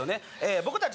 僕たち